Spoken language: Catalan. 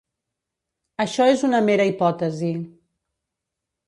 Això és una mera hipòtesi.